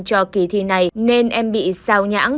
cho kỳ thi này nên em bị sao nhãn